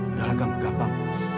udah lah kang gampang